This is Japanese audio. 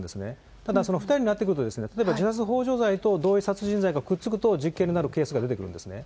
ただ２人になってくると、例えば自殺ほう助罪と同意殺人罪がくっつくと実刑になるケースが出てくるんですね。